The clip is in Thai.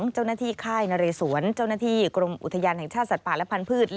เจ้าหน้าที่ค่ายนเรศวรเจ้าหน้าที่กรมอุทยานแห่งชาติสัตว์ป่าและพันธุ์พืช